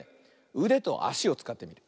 うでとあしをつかってみる。